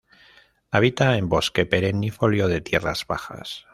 Habita en bosque perennifolio de tierras bajas.